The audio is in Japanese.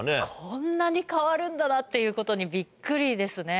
こんなに変わるんだなっていうことにびっくりですね。